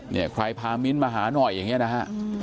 เนี่ยใครพามิ้นท์มาหาหน่อยอย่างนี้นะฮะ